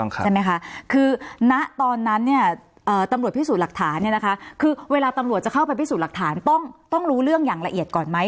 ใช่ไหมคะคือณตอนนั้นเนี่ยตำรวจพิสูจน์หลักฐานคือเวลาตำรวจจะเข้าไปพิสูจน์หลักฐานต้องรู้เรื่องอย่างละเอียดก่อนไหม